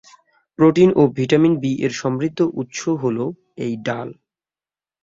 Protein ও vitamin বি-এর সমৃদ্ধ উৎস হলো এই ডাল।